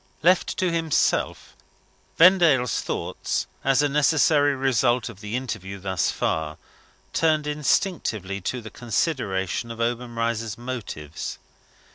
Left by himself, Vendale's thoughts (as a necessary result of the interview, thus far) turned instinctively to the consideration of Obenreizer's motives.